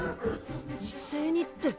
一斉にって。